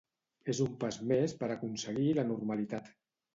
És un pas més per aconseguir la normalitat.